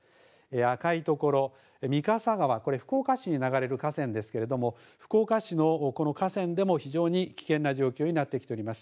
赤い所、御笠川、これ、福岡市に流れる河川ですけれども、福岡市のこの河川でも非常に危険な状況になってきております。